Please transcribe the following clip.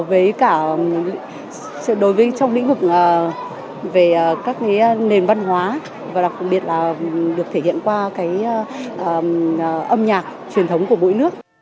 và đối với trong lĩnh vực về các nền văn hóa và đặc biệt là được thể hiện qua cái âm nhạc truyền thống của mỗi nước